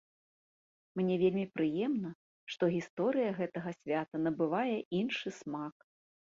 Мне вельмі прыемна, што гісторыя гэтага свята набывае іншы смак.